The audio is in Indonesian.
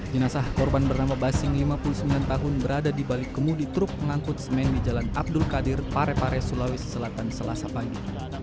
jenazah korban bernama basing lima puluh sembilan tahun berada di balik kemudi truk pengangkut semen di jalan abdul qadir parepare sulawesi selatan selasa pagi